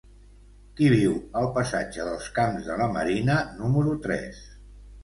Qui viu al passatge dels Camps de la Marina número tres?